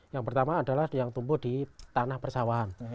yang pertama adalah yang tumbuh di tanah persawahan